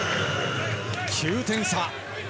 ９点差。